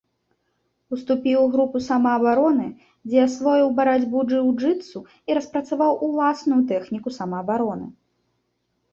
Уступіў у групу самаабароны, дзе асвоіў барацьбу джыу-джытсу і распрацаваў уласную тэхніку самаабароны.